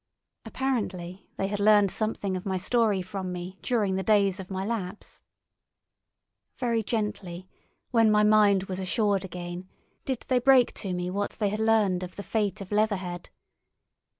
Apparently they had learned something of my story from me during the days of my lapse. Very gently, when my mind was assured again, did they break to me what they had learned of the fate of Leatherhead.